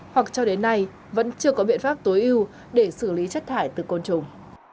hoặc cho đến nay vẫn chưa có biện pháp tối ưu để xử lý chất thải từ côn trùng